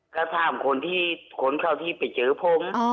ก็ถามคนเขาที่ไปเจอพงศ์